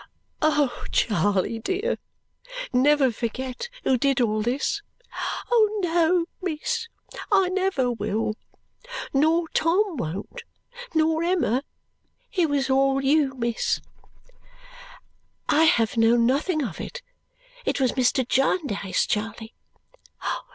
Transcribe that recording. "Oh, Charley dear, never forget who did all this!" "No, miss, I never will. Nor Tom won't. Nor yet Emma. It was all you, miss." "I have known nothing of it. It was Mr. Jarndyce, Charley."